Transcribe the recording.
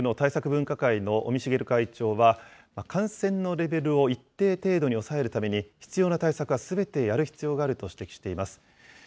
分科会の尾身茂会長は、感染のレベルを一定程度に抑えるために、必要な対策はすべてやる必要があると指摘しています。